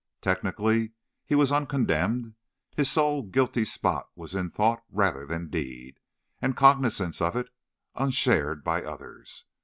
Technically, he was uncondemned; his sole guilty spot was in thought rather than deed, and cognizance of it unshared by others.